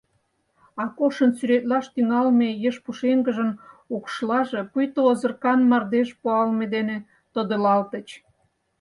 Акошын сӱретлаш тӱҥалме ешпушеҥгыжын укшлаже пуйто озыркан мардеж пуалме дене тодылалтыч.